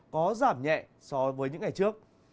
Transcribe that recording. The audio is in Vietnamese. có giảm nhẹ so với những ngày trước